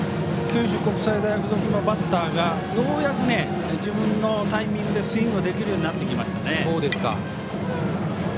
九州国際大付属のバッターがようやく自分のタイミングでスイングできるようになってきましたね。